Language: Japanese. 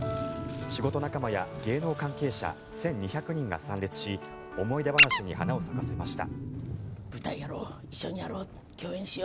仕事仲間や芸能関係者１２００人が参列し思い出話に花を咲かせました。